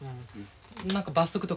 何か罰則とか？